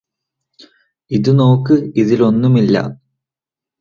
ഇതുനോക്ക് ഇതില് ഒന്നുമില്ലാ